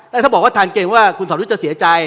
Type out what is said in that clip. ถ้าบอกว่าทันก็เกรงว่าคุณสวริษฐ์จะเสียใจ